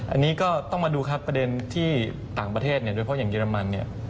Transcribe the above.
อันนี้ก็ต้องมาดูประเด็นในต่างประเทศเพราะอย่างเยอรมัน